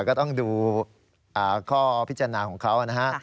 ก็ต้องดูข้อพิจารณาของเขานะฮะ